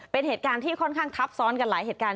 เป็นเหตุการณ์ที่ค่อนข้างทับซ้อนกันหลายเหตุการณ์